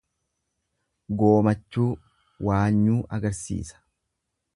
Goomachuu, waanyuu agarsiisa.